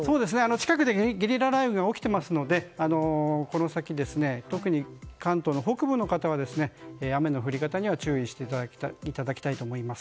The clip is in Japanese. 近くでゲリラ雷雨が起きていますのでこの先、特に関東の北部の方は雨の降り方には注意していただきたいと思います。